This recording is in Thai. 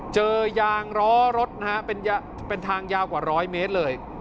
เจอยางร้อรถนะครับเป็นทางยาวกว่าร้อยเมตรเลย